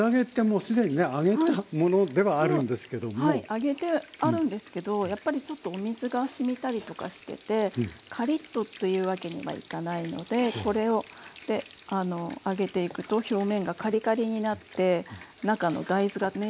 揚げてあるんですけどやっぱりちょっとお水がしみたりとかしててカリッとっていうわけにはいかないのでこれで揚げていくと表面がカリカリになって中の大豆がね